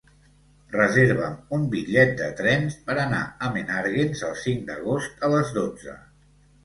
Reserva'm un bitllet de tren per anar a Menàrguens el cinc d'agost a les dotze.